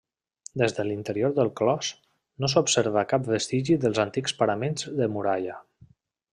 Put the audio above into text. Des de l'interior del clos, no s'observa cap vestigi dels antics paraments de muralla.